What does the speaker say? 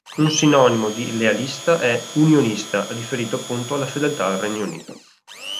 Un sinonimo di lealista è "unionista", riferito appunto alla fedeltà al Regno Unito.